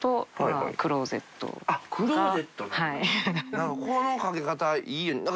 何かこの掛け方いい。